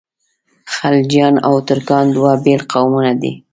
خلجیان او ترکان دوه بېل قومونه دي.